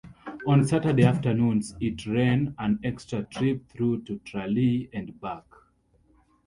On Saturday afternoons it ran an extra trip through to Tralee and back.